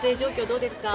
どうですか？